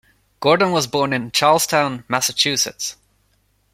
Gordon was born in Charlestown, Massachusetts.